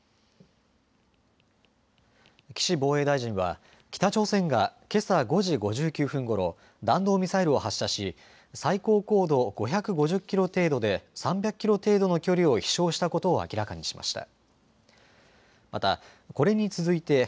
岸防衛大臣は、北朝鮮がけさ５時５９分ごろ、弾道ミサイルを発射し、最高高度５５０キロ程度で、３００キロ程度の距離を飛しょうしたことを明らかにしました。